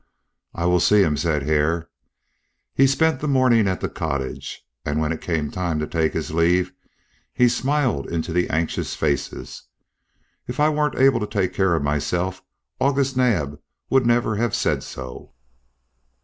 "I will see him," said Hare. He spent the morning at the cottage, and when it came time to take his leave he smiled into the anxious faces. "If I weren't able to take care of myself August Naab would never have said so."